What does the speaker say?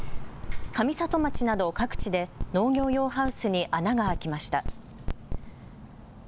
上里町など各地で農業用ハウスに穴が開きました。